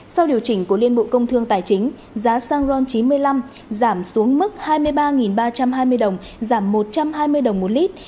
sau điều chỉnh của liên bộ công thương tài chính giá xăng ron chín mươi năm giảm xuống mức hai mươi ba ba trăm hai mươi đồng giảm một trăm hai mươi đồng một lít